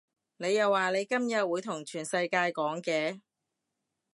你又話你今日會同全世界講嘅